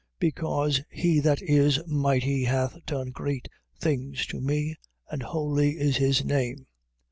Because he that is mighty hath done great things to me: and holy is his name.